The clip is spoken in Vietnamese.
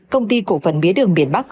công ty cổ vận bía đường biển bắc